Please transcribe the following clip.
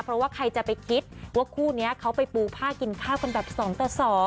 เพราะว่าใครจะไปคิดว่าคู่นี้เขาไปปูผ้ากินข้าวกันแบบ๒ต่อ๒